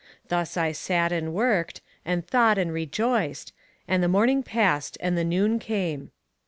Thus I sat and worked, and thought and rejoiced; and the morning passed and the noon came.